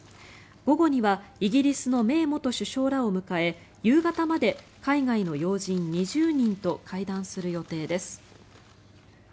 午後にはイギリスのメイ元首相らを迎え夕方まで海外の要人２０人と会談する予定です。